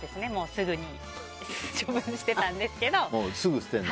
すぐに処分してたんですけど。